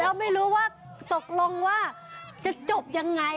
เราไม่รู้ว่าตกลงว่าจะจบยังไง